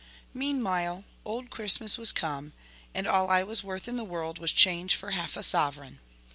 Meanwhile old Christmas was come, and all I was worth in the world was change for half a sovereign.